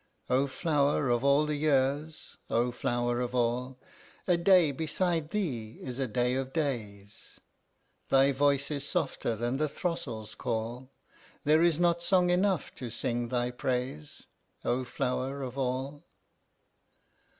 "O flower of all the years, O flower of all! A day beside thee is a day of days; Thy voice is softer than the throstle's call, There is not song enough to sing thy praise, O flower of all!